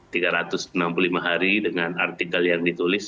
dan tiga ratus enam puluh lima hari dengan artikel yang ditulis